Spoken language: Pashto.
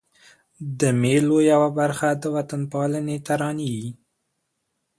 د مېلو یوه برخه د وطن پالني ترانې يي.